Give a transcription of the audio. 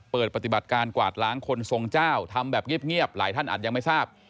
เปิดปฏิบัติการกวาดล้างคนทรงเจ้าทำแบบเงียบหลายท่านอาจยังไม่ทราบ